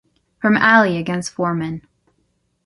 From Ali against Foreman.